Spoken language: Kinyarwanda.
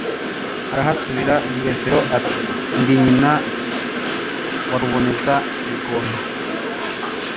Arahasubira RweseroAti: ndi nyina wa Ruboneza-bigondo